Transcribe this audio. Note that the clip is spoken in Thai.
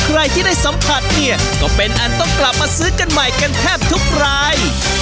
ใครที่ได้สัมผัสเนี่ยก็เป็นอันต้องกลับมาซื้อกันใหม่กันแทบทุกราย